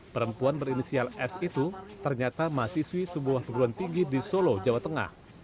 perempuan berinisial s itu ternyata mahasiswi sebuah perguruan tinggi di solo jawa tengah